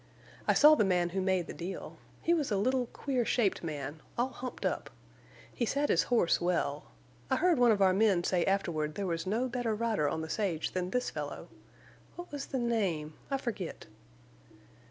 I saw the man who made the deal. He was a little, queer shaped man, all humped up. He sat his horse well. I heard one of our men say afterward there was no better rider on the sage than this fellow. What was the name? I forget."